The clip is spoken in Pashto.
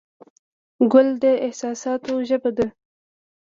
ګل د احساساتو ژبه ده.